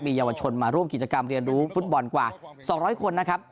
เยาวชนมาร่วมกิจกรรมเรียนรู้ฟุตบอลกว่า๒๐๐คนนะครับ